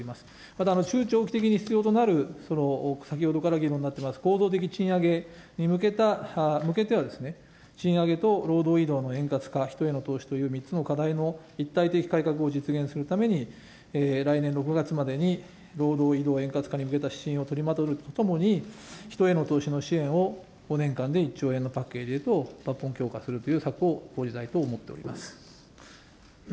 また中長期的に必要となる、先ほどから議論になってます、構造的賃上げに向けた、向けては、賃上げと労働移動の円滑化、人への投資という３つの課題の一体的改革を実現するために、来年６月までに、労働移動円滑化に向けた指針を取りまとめるとともに、人への投資の支援を５年間で１兆円のパッケージで抜本強化するという策を講じたいと思っております。